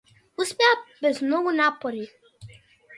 Успеа без многу напори.